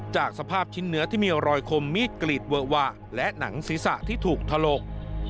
จากสภาพชิ้นเนื้อที่มีรอยคมมีดกรีดเวอะวะและหนังศีรษะที่ถูกถลก